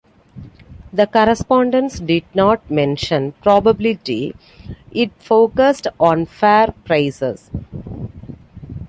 The correspondence did not mention "probability"; It focused on fair prices.